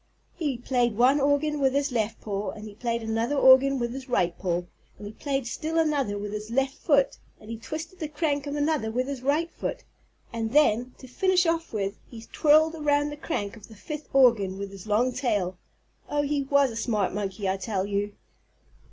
He played one organ with his left paw and he played another organ with his right paw, and he played still another with his left foot and he twisted the crank of another with his right foot. And then, to finish off with, he whirled around the crank of the fifth organ with his long tail. Oh, he was a smart monkey, I tell you!